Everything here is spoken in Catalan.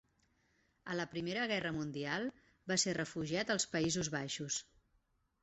A la Primera Guerra Mundial, va ser refugiat als Països Baixos.